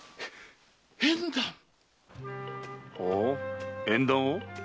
縁談⁉ほう縁談を？